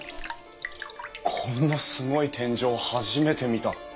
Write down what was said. こんなすごい天井初めて見た！